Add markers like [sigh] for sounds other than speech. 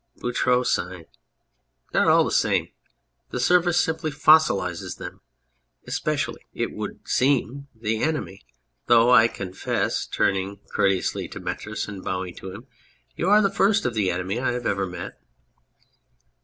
BOUTROUX. [sighs] They are all the same ! The service simply fossilises them, especially, it would seem, the enemy ; though I confess (turning court eously to METRIS and bowing to him} you are the first of the enemy I have ever met.